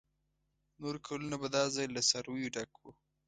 نور کلونه به دا ځای له څارویو ډک و.